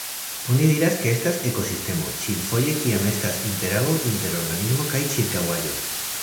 Oni diras, ke estas ekosistemo, ĉiufoje kiam estas interago inter organismo kaj ĉirkaŭaĵo.